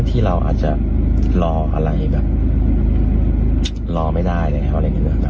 ที่เราอาจจะรออะไรแบบรอไม่ได้แล้วอะไรอย่างนี้นะครับ